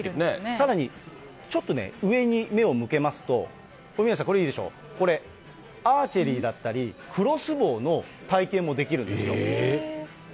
さらに、ちょっとね、上に目を向けますと、宮根さん、これいいでしょ、これ、アーチェリーだったり、クロスボウの体験もできるんですよ。